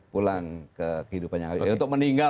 pulang ke kehidupan yang lebih abadi untuk meninggal